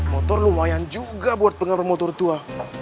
motor lumayan juga buat pengaruh motor tua